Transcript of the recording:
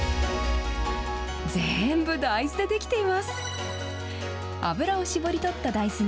全部、大豆で出来ています。